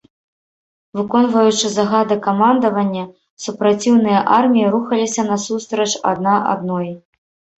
Выконваючы загады камандавання, супраціўныя арміі рухаліся насустрач адна адной.